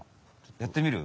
やってみる？